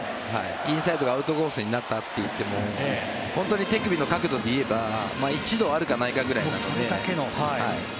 インサイドがアウトコースになったといっても本当に手首の角度でいえば１度あるかないかくらいの。